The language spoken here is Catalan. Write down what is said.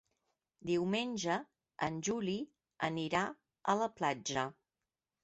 Diumenge en Juli anirà a la platja.